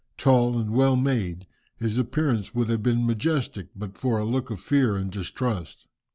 Tall and well made, his appearance would have been majestic, but for a look of fear and distrust.